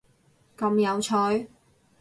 咁有趣？！